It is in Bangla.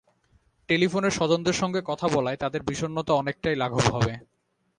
টেলিফোনে স্বজনদের সঙ্গে কথা বলায়, তাঁদের বিষণ্নতা অনেকটাই লাঘব হবে।